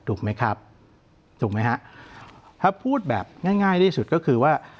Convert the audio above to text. ถูกไหมครับถูกไหมฮะถ้าพูดแบบง่ายง่ายที่สุดก็คือว่า